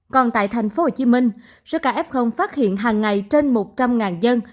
còn tại tp hcm số ca f phát hiện hàng ngày trên một trăm linh dân